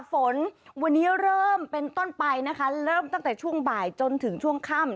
ฝนวันนี้เริ่มเป็นต้นไปนะคะเริ่มตั้งแต่ช่วงบ่ายจนถึงช่วงค่ำ